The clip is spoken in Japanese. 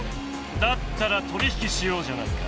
だったら取り引きしようじゃないか。